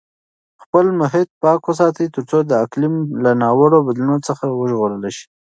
خپل محیط پاک وساتئ ترڅو د اقلیم له ناوړه بدلونونو څخه وژغورل شئ.